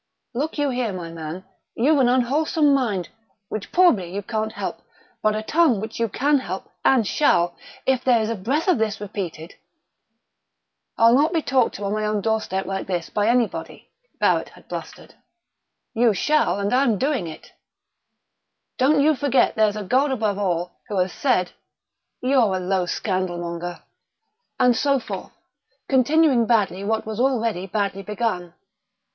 "Look you here, my man; you've an unwholesome mind, which probably you can't help, but a tongue which you can help, and shall! If there is a breath of this repeated ..." "I'll not be talked to on my own doorstep like this by anybody,..." Barrett had blustered.... "You shall, and I'm doing it ..." "Don't you forget there's a Gawd above all, Who 'as said..." "You're a low scandalmonger!..." And so forth, continuing badly what was already badly begun.